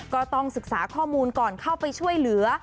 ก็ต้องศึกษาข้อมูลก่อนเข้าไปช่วยเหลือ